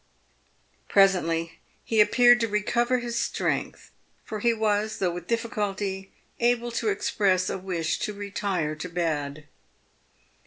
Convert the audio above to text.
Presently he appeared to recover his strength, for he was — though with difficulty — able to express a wish to retire to bed.